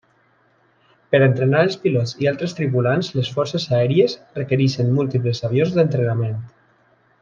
Per a entrenar els pilots i altres tripulants les forces aèries requereixen múltiples avions d'entrenament.